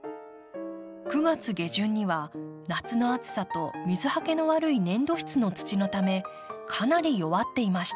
９月下旬には夏の暑さと水はけの悪い粘土質の土のためかなり弱っていました。